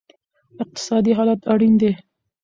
اقتصادي عدالت اړین دی.